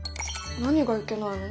何がいけないの？